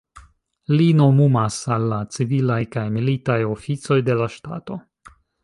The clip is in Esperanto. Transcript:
Li nomumas al la civilaj kaj militaj oficoj de la ŝtato.